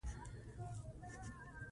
واوره د افغان ښځو په ژوند کې رول لري.